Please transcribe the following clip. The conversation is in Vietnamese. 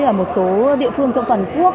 so với một số địa phương trong toàn quốc